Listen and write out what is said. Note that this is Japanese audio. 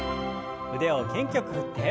腕を元気よく振って。